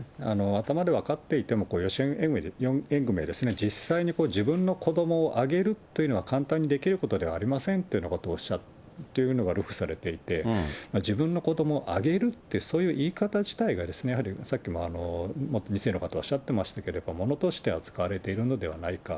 頭で分かっていても、養子縁組は実際に自分の子どもをあげるというのは簡単にできることではありませんということをおっしゃってるというのがされていて、自分の子どもをあげるという、そういう言い方自体が、やはりさっきも２世の方おっしゃっていましたけれども、ものとして扱われているのではないか。